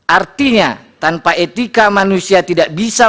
artinya tanpa etika manusia tidak bisa